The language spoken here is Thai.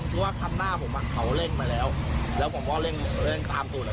แต่พูดว่าพันหน้าผมเล่งไปแล้วแล้วผมว่าเล่งความสูโหด